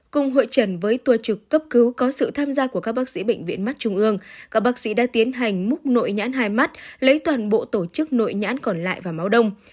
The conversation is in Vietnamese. cùng hội trần với tour trực cấp cứu có sự tham gia của các bác sĩ bệnh viện mắt trung ương các bác sĩ đã tiến hành múc nội nhãn hai mắt lấy toàn bộ tổ chức nội nhãn còn lại và máu đông